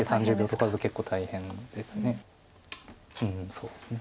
そうですね